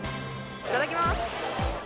いただきます